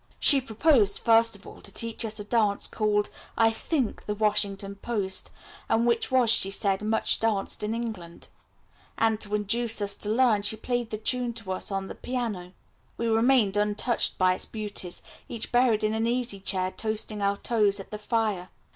She proposed, first of all, to teach us a dance called, I think, the Washington Post, and which was, she said, much danced in England; and, to induce us to learn, she played the tune to us on the piano. We remained untouched by its beauties, each buried in an easy chair toasting our toes at the fire.